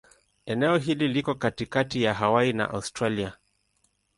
Eneo hili liko katikati ya Hawaii na Australia.